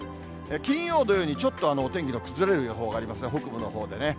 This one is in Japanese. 金曜、土曜にちょっとお天気の崩れる予報がありますが、北部のほうでね。